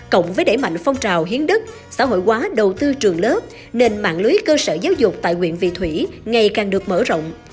cộng với đẩy mạnh phong trào hiến đức xã hội hóa đầu tư trường lớp nền mạng lưới cơ sở giáo dục tại quyện vị thủy ngày càng được mở rộng